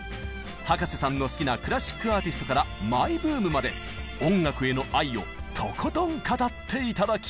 葉加瀬さんの好きなクラシックアーティストからマイブームまで音楽への愛をとことん語って頂きます。